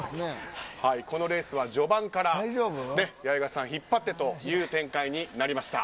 このレースは序盤から八重樫さん、引っ張ってという展開になりました。